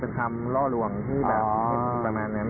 เป็นคำล่อลวงที่แบบประมาณนั้น